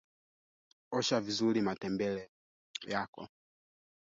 Wadau Sheria kandamizi zatoa mianya kuminywa vyombo vya habari Tanzania